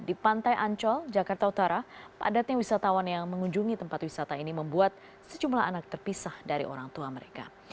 di pantai ancol jakarta utara padatnya wisatawan yang mengunjungi tempat wisata ini membuat sejumlah anak terpisah dari orang tua mereka